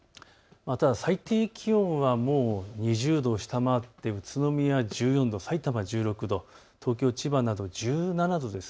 最低気温は２０度を下回って宇都宮１４度、さいたま１６度、東京、千葉など１７度です。